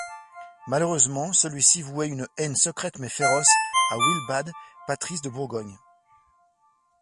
Malheureusement celui-ci vouait une haine secrète mais féroce à Willebad, patrice de Bourgogne.